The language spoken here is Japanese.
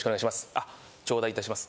あ頂戴いたします。